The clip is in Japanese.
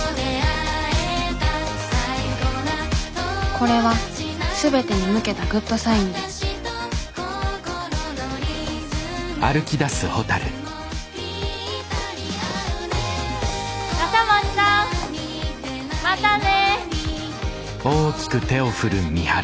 これは全てに向けたグッドサインで笠松さんまたね！